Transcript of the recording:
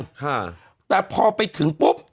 ค่ะแต่พอไปถึงปุ๊บ